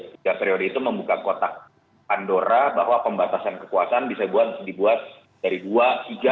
tiga periode itu membuka kotak pandora bahwa pembatasan kekuasaan bisa dibuat dari dua tiga